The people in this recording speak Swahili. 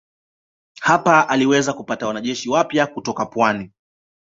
Hapa aliweza kupata wanajeshi wapya kutoka pwani.